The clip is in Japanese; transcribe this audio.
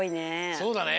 そうだね。